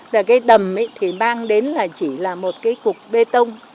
và cái đầm thì mang đến là chỉ là một cái cục bê tông